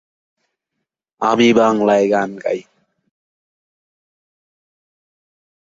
স্বতন্ত্র ট্যাক্সি সংস্থাগুলি ছাড়া, "গেট" হ'ল দেশের প্রশংসনীয় প্রাথমিক ডিজিটাল ট্যাক্সি পরিষেবা।